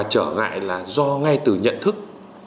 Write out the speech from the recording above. trở ngại là do ngay từ nhận thức